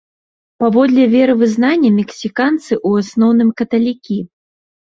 Паводле веравызнання мексіканцы ў асноўным каталікі.